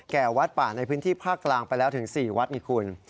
วัดป่าในพื้นที่ภาคกลางไปแล้วถึง๔วัดนี่คุณ